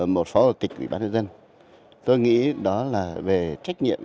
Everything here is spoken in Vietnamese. một phó chủ tịch ubnd tôi nghĩ đó là về trách nhiệm